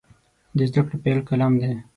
د زده کړې پیل قلم دی.